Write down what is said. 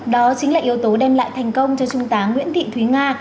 đó chính là yếu tố đem lại thành công cho trung tá nguyễn thị thúy nga